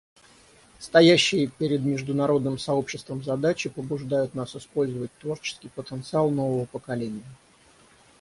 Стоящие перед международным сообществом задачи побуждают нас использовать творческий потенциал нового поколения.